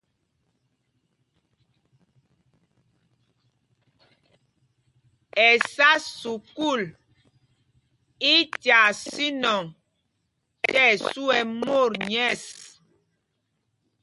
Ɛsá sukûl í tyaa sínɔŋ tí ɛsu ɛ́ mot nyɛ̂ɛs.